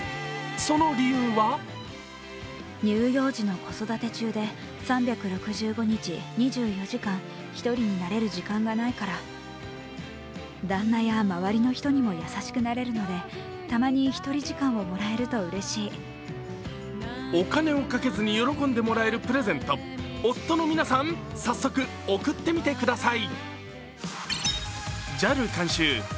その理由はお金をかけずに喜んでもらえるプレゼント、夫の皆さん、早速贈ってみてください。